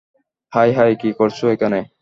High hi কি করছো এখানে?